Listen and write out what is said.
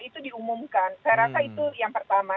itu diumumkan saya rasa itu yang pertama